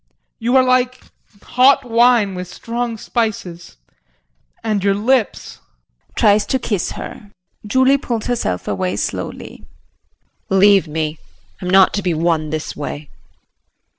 ] You are like hot wine with strong spices, and your lips [Tries to kiss her. Julie pulls herself away slowly.] JULIE. Leave me I'm not to be won this way.